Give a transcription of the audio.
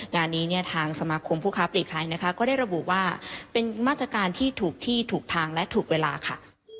งานนี้เนี่ยทางสมาคมผู้ค้าปลีกภัยนะคะก็ได้ระบุว่าเป็นมาตรการที่ถูกที่ถูกทางและถูกเวลาค่ะ